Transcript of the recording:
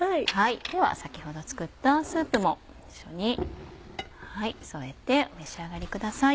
では先程作ったスープも一緒に添えてお召し上がりください。